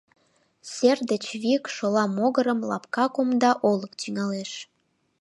Сер деч вик, шола могырым, лапка кумда олык тӱҥалеш.